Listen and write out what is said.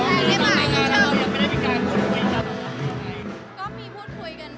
คือผมไม่ได้มองว่าเขาเป็นคู่จีน